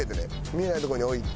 見えないとこに置いて。